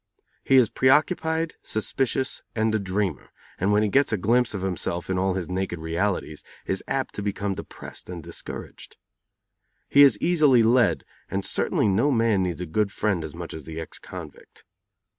He is preoccupied, suspicious and a dreamer, and when he gets a glimpse of himself in all his naked realities, is apt to become depressed and discouraged. He is easily led, and certainly no man needs a good friend as much as the ex convict.